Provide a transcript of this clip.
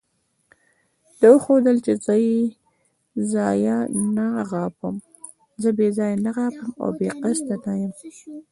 ده وښودل چې زه بې ځایه نه غاپم او بې قصده نه یم.